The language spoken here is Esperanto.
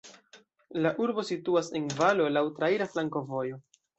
La urbo situas en valo, laŭ traira flankovojo.